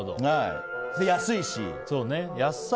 安いし。